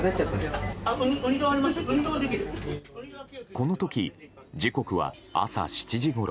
この時、時刻は朝７時ごろ。